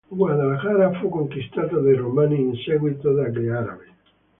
Guadalajara fu conquistata dai Romani e in seguito dagli Arabi.